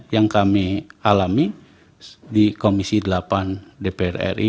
yang kami alami di komisi delapan dpr ri